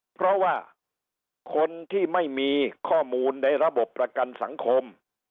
เพราะว่าคนที่ไม่มีข้อมูลในระบบประกันสังคม